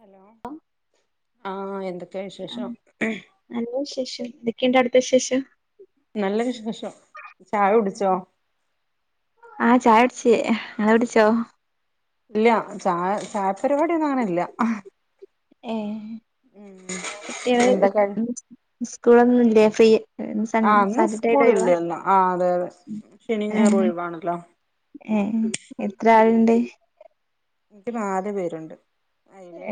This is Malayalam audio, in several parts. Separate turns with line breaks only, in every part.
ഹലോ ആഹ് എന്തൊക്കെ വിശേഷം
നല്ല വിശേഷം എന്തൊക്കെണ്ട് അവ്ട്ത്ത വിശേഷം
നല്ല വിഷേശം ചായ കുട്ച്ചൊ
ആഹ് ചായ കുടിച്ച് ഇങ്ങളുടിച്ചൊ
ഇല്ല ചായ ചായ പര്പാട്യൊന്നു അങ്ങനല്ല
ഏഹ് കുട്ടീള്
എന്താ കഴി
സ്കൂളൊന്നൂല്ലെ ഫ്രീ സൺ
ആഹ് ഇന്ന്
സാറ്റർട്ടേയിട്ട് ലീവാ
സ്കൂളില്ലല്ലോ ആഹ് അതെ അതെ ശനിയും ഞായറും
ഏഹ്
ഒഴിവാണല്ലോ
ഏഹ് എത്ര ആള്ണ്ട്
ക്ക് നാല് പേര്ണ്ട്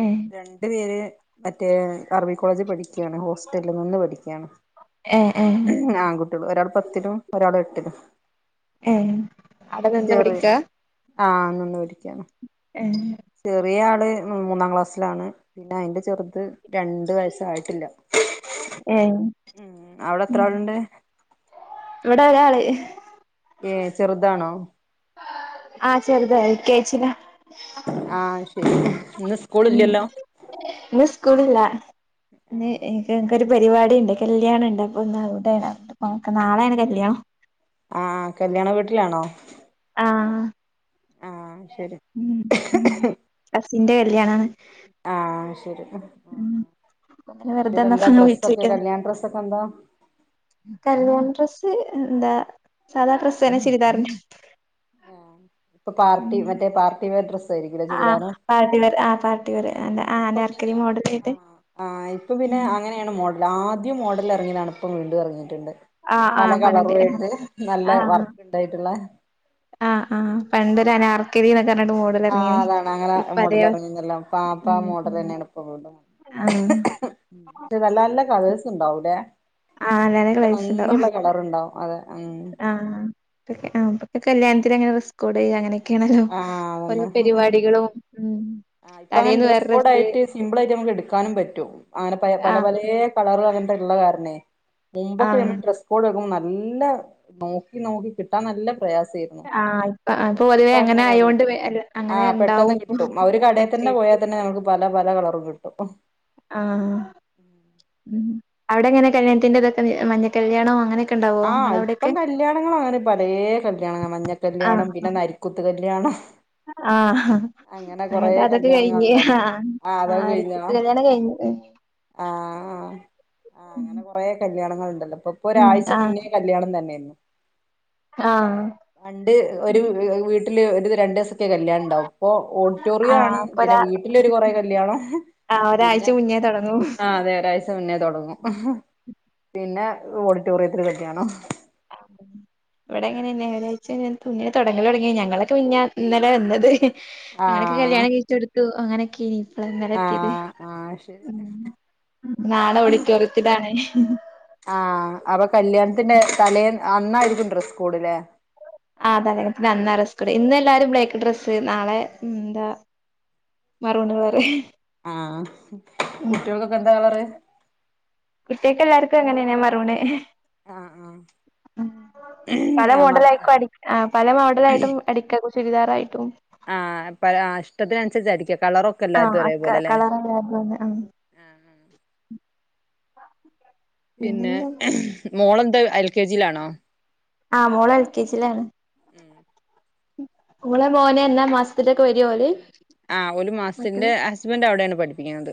ഏഹ്
ന്റെ പേര് മറ്റേ അറബി കോളേജി പഠിക്കാണ് ഹോസ്റ്റൽ നിന്ന് പഠിക്കാണ്
ഏഹ് ഏഹ്
ആൺകുട്ടീള് ഒരാള് പത്തിലും ഒരാള് എട്ടിലും
ഏഹ് അവിടെ നിന്ന്
ചെറി
പഠിക്കാ
ആഹ് നിന്ന് പഠിക്കാണ്
ഏഹ്
ചെറിയ ആള് മൂന്നാം ക്ലാസ്സ്ലാണ് പിന്നെ അയിന്റെ ചെറ്ത് രണ്ട് വയസ്സായിട്ടില്ല
ഏഹ്
ഉം അവിടെ എത്ര ആളുണ്ട്
ഇവടെ ഒരാള്
ഏഹ് ചെറ്താണൊ
ആഹ് ചെറ്താ എൽ. കേ. ജില
ആഹ് ശരി ഇന്ന് സ്കൂള് ഇല്ലല്ലൊ
ന്ന് സ്കൂളില്ല ന്ന് ഇൻക്ക് ഇൻക്കൊരു പരിവാടിണ്ട് കല്യാണ ണ്ട് അപ്പൊ ഇന്നവടേണ ഓക്കെ നാളേണ് കല്യാണം.
ആഹ് കല്യാണ വീട്ട്ലാണൊ?
ആഹ്
ആഹ് ശരി
ഉം ഉം അസിന്റെ കല്യാണാണ്.
ആഹ് ശെരി.
ഉം അങ്ങനെ വെറുതെ വന്നപ്പോ
ന്നട്ടെന്ത
ഇങ്ങനെ
ഡ്രസ്സൊക്കെ
വിളിച്ചോക്കിയതാ
കല്യാണ ഡ്രസ്സൊക്കെന്ത?
കല്ല്യാണ ഡ്രസ്സ് എന്താ സാധാ ഡ്രസ്സെന്നെ ചുരിദാറിന്റ
ഇപ്പൊ പാർട്ടി മറ്റെ പാർട്ടി വെയർ ഡ്രസ് സരിക്ക്ല്ല
ആഹ്
ചുരിദാറും.
പാർട്ടി വെയർ ആ പാർട്ടി വെയർ എന്താ
ആഹ്
ആ
ഇപ്പൊ പിന്നെ
അനാർക്കലി മോഡൽ ആയിട്ട്
ആഹ് ആഹ് ഇപ്പൊ പിന്നെ അങ്ങനെ ങ്ങനേണ് മോഡല് ആദ്യം മോഡലെർങ്ങ്യതാണ് ഇപ്പം വീണ്ടും എർങ്ങീട്ട്ണ്ട്.
ആഹ്
പല
ആഹ് പണ്ട്
കളറുവായിട്ട് നല്ല
ആഹ്
വർക്ക്ണ്ടായിട്ട്ള്ള
ആഹ് ആഹ് പണ്ടൊരനാർക്കലി ന്നൊക്കർഞ്ഞിട്ട് [unintelligible]
ആഹ് അതാണ് അങ്ങന മോഡലെറ്ങ്ങീന്യല്ലൊ സാധാ
ഉം ഉം
മോഡലെന്നേണ് ഇപ്പ വീണ്ടും
ആഹ്
നല്ല നല്ല കളേഴ്സ് ണ്ടാവുലേ.
ആഹ് നല്ലാ
[unintelligible]
കളേഴ്സ് ഉണ്ടാവും
ഭംഗിള്ള കളറ്ണ്ടാവും അതെ ഉം
ആഹ് ആഹ് ഇപ്പത്തെ കല്യാൺത്തിനങ്ങനെ ഡ്രസ്സ്കോഡെയ്യ അങ്ങനെ ക്കേണലൊ
ആഹ്
ഓരോ
അതന്നെ
പരിവാടികളും ഉം തലേന്ന് വേറെ ഡ്രസ്സ്
സിമ്പ്ളായിട്ടമ്മക്ക് എട്ക്കാനും പറ്റും അങ്ങനെ പയെ പല
ആഹ്
പലേ കളറ് അങ്ങൻത്തെള്ള കാര്ണെ മുമ്പൊക്ക
ആഹ്
ഞമ്മള് ഡ്രസ് കോഡെടും നല്ല നോക്കി നോക്കി കിട്ടാൻ നല്ല പ്രയാസേർന്നു
ആഹ് ഇപ്പ ആഹ് ഇപ്പ പൊതുവെ അങ്ങനായോണ്ട് വേ അല്ല അങ്ങനെ
ആഹ് പെട്ടെന്ന്
ണ്ടാവും
കിട്ടും ആ ഒരു കടയിൽ തന്നെ പോയാൽ
[unintelligible]
തന്നെ നമുക്ക് പല പല കളറും കിട്ടും. ഉം
ആഹ് ഉം അവടെങ്ങനെ കല്യാൺത്തിന്റെ തൊക്ക [unintelligible] മഞ്ഞ കല്യാണം അങ്ങനെ
ആഹ് ഇപ്പം കല്യാണങ്ങള ങ്ങനെ പലേ കല്യാണങ്ങ മഞ്ഞ കല്യാണം
ആഹ്
പിന്നെ നരി കുത്ത്കല്യാണം.
ആഹ്
അങ്ങനെ കൊറേ
ഞങ്ങൾത് അതൊക്കെ കഴിഞ്ഞ്
കല്യാണങ്ങള്ണ്ടര്ന്ന്
ആഹ്
ആതൊക്കെ
ആഹ്
കഴ്ഞ്ഞൊ?
രജിസ്റ്റർ കല്യാണം കഴിഞ്ഞ് ഉം
ആഹ് ആഹ് അങ്ങനെ കൊറെ കല്യാണങ്ങള്ണ്ടല്ലൊ ഇപ്പൊ ഇപ്പൊ
ഉം.
ഒരാഴ്ച്ച്
ആഹ്
ഈ കല്ല്യാണം തെന്ന
ആഹ്
പണ്ട് ഒര് വ്‌വ് വീട്ടില് ഒര് രണ്ട് സൊക്കെ കല്ല്യാണ ണ്ടാവും ഇപ്പൊ
ആഹ്
ഓഡിറ്റോറിയാണ്
അപ്പൊ
പിന്നെ
ഒരാ
വീട്ടിലൊര് കൊറേ കല്യാണം
ആഹ്
പിന്നെ
ഒരാഴ്ച മുന്നേ തൊടങ്ങും
ആഹ് അതെ ഒരാഴ്ച മുന്നേ തൊടങ്ങും പിന്നേ ഓഡിറ്റോറിയത്തില് കല്യാണം
ഇവടങ്ങനെന്നെ ഒരാഴ്ച്ച [unintelligible] മുന്നെ തൊടങ്ങലൊട്ങ്ങ്യാ ഞങ്ങളൊക്കെ മിഞ്ഞാ ഇന്നലെ വന്നത് അങ്ങനെക്കെ
ആഹ്
കല്യാണം കഴിച്ചൊട്ത്തു അങ്ങനെക്കെ ന്ന് ന്നലാക്ക്യത്
ആഹ് ആഹ് ശരി
ഉം നാളെ ഓടിറ്റോറിയത്തിലാണ്.
ആഹ് അപ്പൊ കല്യാണത്തിന്റെ തലേൻ അന്നായിരിക്കും ഡ്രസ് കോട്ലേ.
ആഹ് തരേ [unintelligible] അന്നാ ഡ്രസ്സ് കോഡ് ഇന്നെല്ലാരും ബ്ലേക്ക് ഡ്രസ്സ് നാളെ ഉം ന്താ മെറൂൺ കളറ്.
ആഹ് കുട്ട്യെൾക്കൊക്കെ എന്താ കളറ്?
കുട്ട്യെൾക്കെല്ലാര്ക്കും അങ്ങനെന്നെ മെറൂണ്.
ആഹ് ആഹ്
ഉം പലേ
ആ മറ
മോഡലായ്കും അടി ആഹ് പല മോഡലായിട്ടും അടിക്ക കു ചുരിദാറായിട്ടും
ആഹ് പല ആഹ് ഇഷ്ടത്തിൻനസരിച്ച് അടിക്ക
ആ
കളറൊക്കെല്ലാര്തും
അക്ക
ഒരേപോലെലേ
കളറല്ലാതെ ആ
പിന്നെ
പിന്നെന്താ
മോളെന്താ എൽ കെ ജിയിലാണോ?
ആഹ് മോളെൽ കെ ജിലാണ്.
ഉം
ങ്ങളെ മോന് എന്നാ മാസത്തിലൊക്കെ വരോ ഓല്
ആഹ് ഓല്
മക്കള്
മാസ്ത്തിൻ്റെ ഹസ്ബൻ്റ് അവിടേണ് പഠ്പ്പിക്കുന്നത്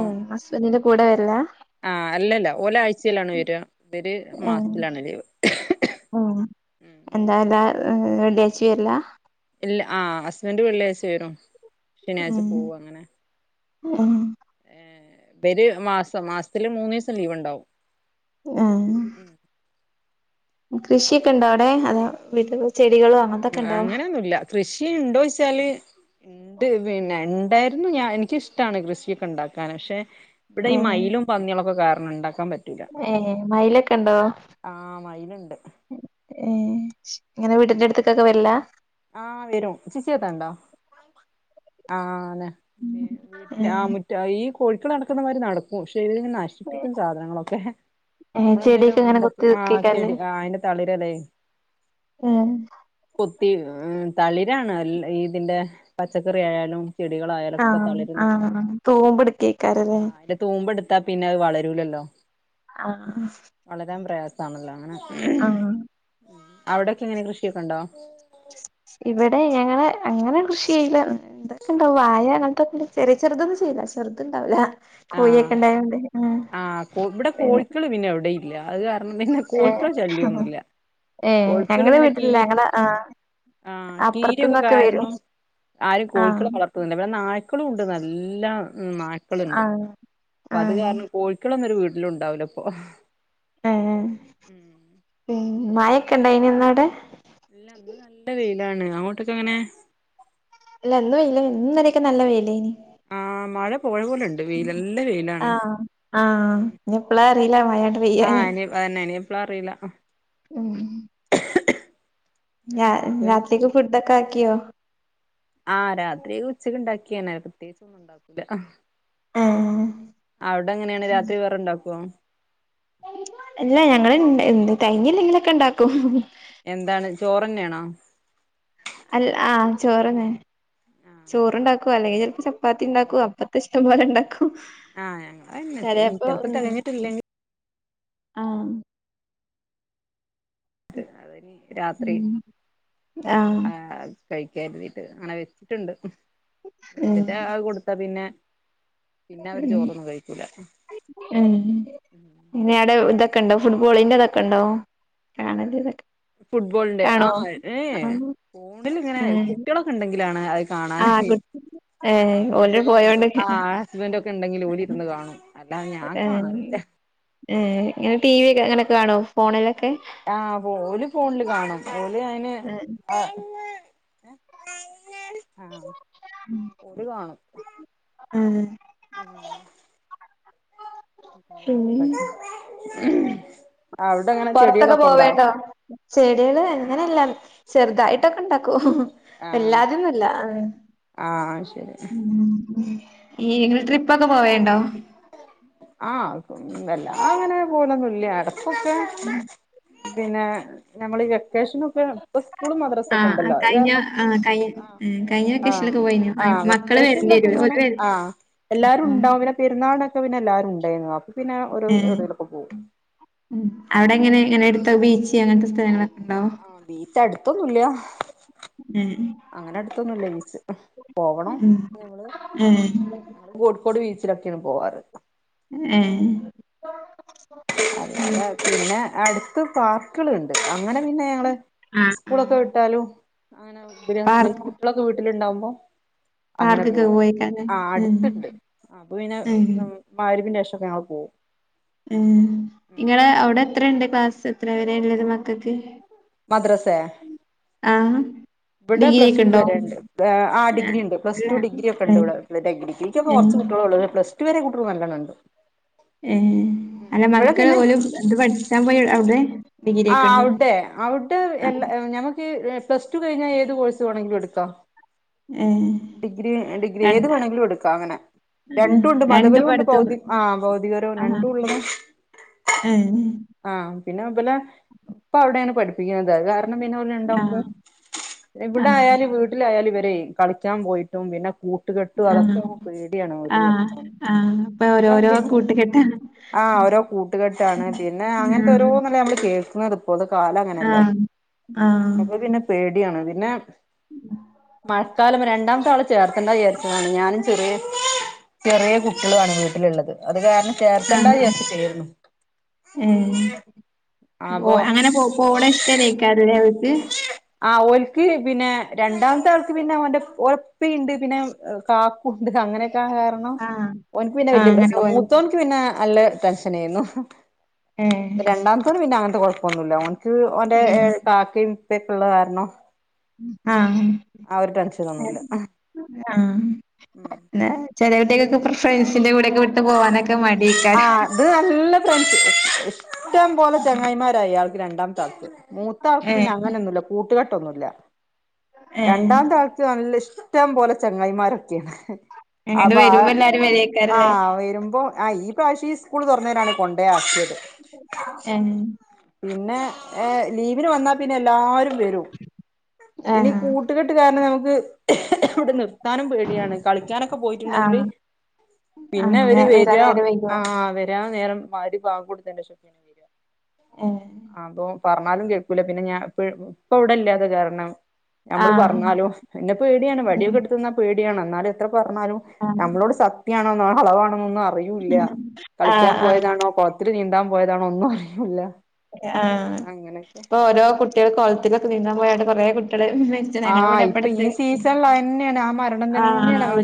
ഉം ഹസ്ബൻ്റിന്റെ കു ഇവ്ടെ വെര്ല്ലാ
ആ അല്ലല്ല ഒരാഴ്ചയിലാണ് വരാ ഇവര് മാസത്തിലാണ് ലീവ്
മ്
ഉം
എന്താ എല്ലാ വെള്ളിയായ്ച്ച്യും വെര്ല
ല്ല ആ ഹസ്ബൻ്റ് വെള്ളിയാഴ്ച്ച വരും ശനിയാഴ്ച്ച പോകും അങ്ങനെ
അ
ഇവര് മാസം മാസത്തില് മൂന്നീസം ലീവ് ണ്ടാവും
ആ കൃഷിയൊക്കെണ്ടോ അവിടെ അതൊ വീട്ടി
മ് അങ്ങനൊന്നുല്ല കൃഷി ണ്ടോ ചോയ്ച്ചാല് ണ്ട് പിന്നെ ണ്ടായിര്ന്നു ഞാ എനിക്കിഷ്ടാണ് കൃഷിയൊക്കെ ണ്ടാക്കാന് പക്ഷെ ഇവിടെ ഈ
ഏഹ്
മയിലും പന്നികളൊക്കെ കാരണം ണ്ടാക്കാൻ പറ്റൂലാ
ഏ മയിലൊക്കെ ണ്ടോ
ആ മയില്ണ്ട്
ഏ ങ്ങനെ വീട്ടിന്റെ അട്ത്ത്ക്കൊക്കെ വെര്ലാ
ആ വരും [unintelligible] ആന്നെ പി വീട്ട്
ഏഹ്
ആഹ് മുറ്റ ഈ കോഴിക്കൾ നടക്കുന്ന മാതിരി നടക്കും [unintelligible] നശിപ്പിക്കും സാധനങ്ങളൊക്കെ
ഏഹ്
നമ്മളെന്തേലും
ചെടിയൊക്കെ ഇങ്ങനെ
ണ്ടാക്കി
കുത്തി
ആഹ്
വെക്കേക്കാരല്ലേ
ചെടി ആഹ് അയ്ന്റെ തളിരലെ
ഏ
കൊത്തി മ് തളിരാണ് ല് ഇതിന്റെ പച്ചക്കറി ആയാലും ചെടികളായ
ആ ആം തൂമ്പ് എട്ക്കെയ്ക്കാരം ലെ
തൂമ്പെട്‌ത്താ പിന്നെ അത് വളരൂലല്ലോ
ആഹ്
വളരാൻ പ്രയാസണല്ലോ അങ്ങനെ
ആഹ്
അവിടെക്കെ എങ്ങനെ കൃഷിക്കെ ണ്ടോ
ഇവിടെ ഞങ്ങള് അങ്ങനെ കൃഷി ചെയ്ല്ലാ തൊക്കെ ണ്ടാവും വാഴ അങ്ങൻത്തൊക്കെ ചെറിയെ ചെറ്തൊന്നും ചെയ്ല്ല ചെറുത്ണ്ടാവൂലാ കോഴി
ആഹ്
ഒക്കെ ണ്ടായോണ്ട് ആ
ള് പിന്നെ എവിടേം ഇല്ല അത് കാരണം പിന്നെ കോഴിക്കളെ ഷല്ലൃയൊന്നുല്ല
ഏഹ്
കൊഴിക്കൾ
ഞങ്ങളെ
ങ്ങനെ
വീട്ടിലില്ല
കീരി
ഞങ്ങളെ ആഹ്
ആ കീരയൊക്കെ
അപ്പുറത്തുന്നൊക്കെ വരും
കാരണം ആരും
ആഹ്
കോഴിക്കളെ വളർത്തുല്ല വ്ടെ നായ്ക്കളും ണ്ട് നല്ല ന ള്ണ്ട്
ആഹ്
അപ്പൊ അത്
ആഹ്
കാരണം കോഴിക്കളൊന്നരു വീട്ടിലും ണ്ടാവുല്ല പ്പൊ
ഏ പി മഴയോക്കെണ്ടായ്നോ ഇന്നാടെ
ഇല്ല ഇന്ന് നല്ല വെയിലാണ് അങ്ങോട്ടക്കെങ്ങനെ
ഇല്ല ഇന്നു ഇന്നലെക്കെ നല്ല വെയിലെനി
ആ മഴ പോയ പോലെണ്ട് വെയിലല്ലേ വെയിലാണ്
ആഹ് ആഹ് ഇനി എപ്പളാ അറിയില്ല മഴാണ്ട്
ആ
പെയ്യാന്
[unintelligible] അതന്നെ എപ്പളാറീല്ല
മ്
[inaudible]
ര
വേറെന്തൊക്കെയാ
രാത്രിക്ക് ഫുഡൊക്കെ ആക്കിയോ
ആ രാത്രി ഉച്ചക്ക് ണ്ടാക്കിയനെ പ്രത്യേകിച്ച ഒന്നും ണ്ടാക്കൂല
മ്
അവിടെങ്ങനെയാണ് രാത്രി വേറെണ്ടാക്കുവോ
അല്ല ഞങ്ങള് തെകഞ്ഞ് ല്ലെങ്കിലൊക്കെ ണ്ടാക്കും
എന്താണ് ചോറെന്നെണോ
അൽ ആ ചോറന്നെ
ആഹ്
ചോറുണ്ടാക്കും അല്ലേൽ ചെൽപ്പൊ ചപ്പാത്തി ണ്ടാക്കും അപ്പത്തെ ഷ്ട്ടം പോലെ ണ്ടാക്കും
ആഹ് ഞങ്ങളന്നെ
ചെലേപ്പൊ
ചെലപ്പോ
ഉം
തികഞ്ഞിട്ടില്ലെങ്കിൽ
ആ
അതെ ന്നി രാത്രി
ഉം ആഹ്
ആ കഴിക്കര്തിട്ട് അങ്ങനെ വെച്ചിട്ടുണ്ട് [unintelligible]
ഉം
അത് കൊടുത്താ പിന്നെ പിന്നെ അവര്
ഉം
ചോറൊന്നും കഴിക്കൂല
ഉം പിന്നെ ടെ തൊക്കെ ണ്ടോ ഫുട്ബോളിന്റെ തൊക്കെ ണ്ടോ കാണല് തൊക്കെ
ഫുട്ബോൾ ന്റെ ആ ഏ ഫോണിൽങ്ങനെ കുട്ടികളൊക്കെ ഉണ്ടെങ്കിലാണ്
ആ കുട്ട്
ആ കുട്ടികളും ആ ആ ഹസ്ബന്റൊക്കെ ണ്ടെങ്കില് ഓലിര്ന്ന് കാണും അല്ലാതെ ഞാൻ കാണലില്ല
ഏ ഇങ്ങനെ ടി വി ക്കെ അങ്ങനെ കാണോ ഫോണ്ലൊക്കെ
ആ ഓല് ഫോണ്ല് കാണും ഓല് അയ്ന്
ആഹ്
ഏ ആ ഓല് കാണും
ആഹ്
ഉം ഉം ഉം
പിന്നെ
വേറെന്തക്ക അവ്ടെങ്ങനെ
പൊറത്തൊക്കെ
ചെടികളൊക്കെ ണ്ടാ
പോവേണ്ടോ? ചെടികള് അങ്ങനെല്ലാ ചെറുതായിട്ടൊക്കെ ഉണ്ടാക്കൂ
ആഹ്
വല്ലാതെന്നുല്ല
ആഹ് ശരി
ഈ ങ്ങള് ട്രിപ്പൊക്കെ പോവല്ണ്ടോ
ആ വല്ലാതെങ്ങനെ പോവലൊന്നുംല്ല്യ എടക്കൊക്കെ
ഉം
പിന്നെ നമ്മളികെ കേഷനൊക്കെ പ്പ സ്കൂളും മദ്രസക്കെ
ആഹ്
ണ്ടല്ലോ
കഴിഞ്ഞ
അതുകാരണം പ്പോ
ആഹ് കഴി
ആ
കഴിഞ്ഞ
ആ
വെക്കേഷനിലൊക്കെ പോയിനോ
ആ
മക്കള് വരേണ്ടി
വെക്കെഷൻലൊക്ക
വരും
ങ്ങനെ
ഓല് വര്
ആ എല്ലാരും ണ്ടാവും പിന്നെ പെരുന്നാൾനൊക്കെ പിന്നെ എല്ലാരും ണ്ടെയ്നു അപ്പൊ പിന്നെ ഓരോ എവ്ടേ ലൊക്കെ പോവും
ഉം അവ്ടെ ങ്ങനെ ങ്ങനെട്ത്ത് ബീച്ച് അങ്ങൻത്തെ സ്ഥലങ്ങളൊക്കെണ്ടാവോ
ആ ബീച്ച് അട്ത്തൊന്നുല്ല
ഉം
അങ്ങനെ അടുത്തൊന്നുംല്ല ബീച്ച് പോകണം
ഉം
ഞങ്ങള്
ഏഹ്
ഞങ്ങള് കോഴിക്കോട് ബീച്ചിലൊക്കെണ് പോവാറ്
എ ഏ
അല്ലാതെ പിന്നെ അട്ത്ത് പാർ ക്കള്ണ്ട് അങ്ങനെ പിന്നെ ഞങ്ങള്
ആഹ്
സ്കൂളൊക്കെ
ആഹ്
വിട്ടാലും അങ്ങനെ ബര് ഹസ്ബന്റ്
പാർക്ക്
കുട്ടളൊക്കെ വീട്ടിലുണ്ടാവുമ്പോ അങ്ങനെ
പാർക്കൊക്കെ
പോവും
പോയിക്കാല്ലേ
ആ
ഉം
അട്ത്ത്ണ്ട് ആ അപ്പൊ പിന്നെ
ഉം
ഞമ് മഹ്ര്ബ്ന്റെഷൊക്കെ ഞങ്ങൾ പോവും രേഷമൊക്കെ ഞങ്ങ പോവും
ഉം ഇങ്ങടെ അവ്ടെ എത്രണ്ട് ക്ലാസ് എത്ര വരെ ഉള്ളത് മക്കക്ക്
മദ്റസേ
ആഹ്
ബ്ടെ
ഡിഗ്രി
പ്ലസ്
ഒക്കെ
ടു
ഉണ്ടോ
വരേണ്ട് ആ
ആഹ്
ഡിഗ്രിണ്ട്
അല്ല
പ്ലസ്ടു ഡിഗ്രി ഒക്കെ ണ്ട്
ഏഹ്
വിടെ ഡഗ്രി ഡിഗ്രിക്കൊക്കെ
ഏഹ്
കൊർച്ച് കുട്ടിളെ ഉള്ളു പ്ലസ് ടു വരെ കുട്ടോള് നല്ലണം ണ്ട്
ഏ അല്ല മക്കള് ഓല് ത് പഠിച്ചാ പോയ അവ്ടെ
ആ അവിടെ അവിടെ എല്ലാ ഞമക്ക് പ്ലസ് ടു കഴിഞ്ഞാ ഏത് കോഴ്സ് വേണമെങ്കിലും എടുക്കാം
ഏ
ഡിഗ്രി ഡിഗ്രി ഏത് വേണമെങ്കിലും എടുക്കാം അങ്ങനെ
ആഹ്
രണ്ടും ഉണ്ട്
രണ്ടും
മതപരവും ഉണ്ട്
പഠിത്തം
ഭൗതി ആ ഭൗതികരോ രണ്ടും ഉള്ളത്
ആഹ്
ആഹ പിന്നെ അപലെ ഇപ്പൊ അവിടെയാണ് പഠിപ്പിക്കുന്നത് അത് കാരണം
ആഹ്
[unintelligible] എവിടെ
ആഹ്
ആയാലും വീട്ടിലായാലും ഇവരെ കളിക്കാൻ പോയിട്ടും പിന്നെ കൂ ഇട്ടുകെട്ടു
ആഹ്
അതൊക്കെ പേടിയാണ് വീട്ട
ആഹ് ആഹ് ഇപ്പൊ
ഇതാവുമ്പ
ഓരോരോ
പിന്നെ
കൂട്ടുകെട്ടാ
ആഹ് ഓരോ കൂട്ടുകെട്ടാണ് പിന്നെ അങ്ങനത്തെ
ആഹ്
ഒരോന്നല്ലെ നമ്മള് കേൾക്കുന്നത് ഇപ്പള്ള കാലം അങ്ങനെയല്ലേ
ആഹ് ആഹ്
അപ്പൊ പിന്നെ പേടിയാണ് പിന്നെ മഴക്കാലം രണ്ടാമത്താള ചേർത്തേണ്ട വിചാരിച്ചതാണ് ഞാനും ചെറിയ ചെറിയ കുട്ടികളാണ് വീട്ടിലുള്ളത് അത് കാരണം ചേർത്തണ്ടാ ചേർത്ത് ചേരുന്നു
ഉ
അപ്പൊ
അങ്ങനെ പോ പോണെ ഇഷ്ട്ട [unintelligible] അവൾക്ക്
ആ ഓൽക്ക് പിന്നെ രണ്ടാമത്തെ ആൾക്ക് പിന്നെ അവന്റെ ഉറപ്പുണ്ട് പിന്നെ അങ്ങനെയൊക്കെ കാരണം
ആഹ്
ഓനിക്ക് പിന്നെ
ആഹ്
വലിയ
അങ്ങനെ
പ്രശ്നം
പോയത്
മൂത്തോൻ നിക്ക് പിന്നെ നല്ല ടെൻഷനായിരുന്നു
ഏഹ്
രണ്ടാമത്തോന് പിന്നെ അങ്ങനത്തെ കുഴപ്പൊന്നുല്ലഓനി ക്ക് ഒന്റെ കാക്കയും ഉപ്പൊക്കെ ഉള്ള കാരണം
ആഹ്
ആ ഒരു ടെൻഷനൊന്നുമില്ല
ആഹ് എന്ന ചെലയിടോക്കെ ഇ ഫ്രൻസിന്റെ കൂടെയൊക്കെ വിട്ട് പോകാനൊക്കെ മടി
ആഹ് അത് നല്ല ഫ്രൻഷി ഇഷ്ട്ടം പോലെ ചെങ്ങായിമാരായി ആൾക്ക് രണ്ടാമത്തെ ആൾക്ക് മൂത്ത ആൾക്ക്
ഏഹ്
പിന്നെ അങ്ങനെയൊന്നുല്ല കൂട്ടുകെട്ടൊന്നുമില്ല
ഏഹ്
രണ്ടാമത്തെ ആൾക്ക് നല്ല ഇഷ് ഇഷ്ട്ടം പോലെ ചെങ്ങായിമാരൊക്കെയാണ്
എങ്ങട് വരുമ്പ എല്ലാരും വരു
ആഹ് വരുമ്പൊ ആ ഈ പ്രാവശ്യം ഈ സ്കൂൾ തുറന്നവരാണ് കൊണ്ടേ ആക്കിയത്
എം
പിന്നെ ലീവിന് വന്നാൽ പിന്നെ എല്ലാവരും വരും പിന്ന
ആഹ്
കൂട്ടുകെട്ട് കാരണം നമുക്ക് ഇവിടെ നിർത്താനും പേടിയാണ് കളിക്കാനൊക്കെ പോയിട്ടുണ്ടെങ്കിൽ
ആഹ്
പിന്നെ
അങ്ങനെ
അവര്
വരാൻ
വരാ
നേരം വൈകോ
ആ നേരം മഗ്‌രിബ് ബാങ്ക് കൊടുത്തന്റെ ശേഷ വരി
ഏഹ്
അപ്പൊ പറഞ്ഞാലും കേൾക്കൂല പിന്നെ ഞാൻ ഇ ഇപ്പ ഇവിടെ ഇല്ലാതെ കാരണം നമ്മള്
ആഹ്
പറഞ്ഞാലോ എന്നെ പേടിയാണ്
ഉം
വടിയൊക്കെ എടുത്ത് നിന്നാ പേടിയാണ് എന്നാല് പറഞ്ഞാലും
ആഹ്
നമ്മളോട് സത്യയാണോ കളവാണോന്ന് ഒന്നും അറി യത്തില്ല കളിക്കാൻ
ആഹ് ആഹ്
പോയതാണോ കൊളത്തില് നീന്താൻ പോയതാണോ ഒന്നും അറിയൂല്ല
ആ
അങ്ങനെയൊക്കെ
ഇപ്പൊ ഓരോ കുട്ടികൾ കോളത്തിലൊക്കെ നീന്താൻ പോയി ട്ട് കുറേ കുട്ടികള് ഞങ്ങള
ആഹ്
ഇവിടെ
ഇപ്പൊ ഈ
എപ്പടത്ത്
സീസണിൽ തന്നെയാണ് ആ മരണം
ആ
തന്നെയാണ് നമ്മൾ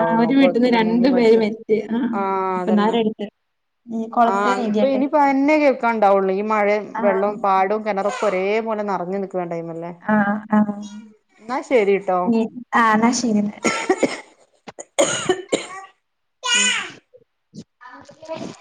ആ ഒരു വീട്ടിൽന്ന്
കുളത്തില് മുങ്ങി
രണ്ടു പേര്
മരിച്ചു
മരിച്ച് ആ
ആഹ് അതന്നെ
ഇപ്പൊന്നാളടുത്ത് കൊളത്തി നീന്തിയിട്ടെ
തന്നെ കേൾക്കാണ്ടാവുള്ളൂ ഈ മഴയും വെള്ളം പാടവും കിണറൊക്കെ ഒരേപോലെ നെ റഞ്ഞു നിൽക്കുന്ന ടൈം അല്ലേ
ആഹ് ആഹ് ആഹ് എന്നാ ശരിയെന്നാല് [unintelligible]